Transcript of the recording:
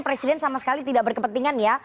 presiden sama sekali tidak berkepentingan ya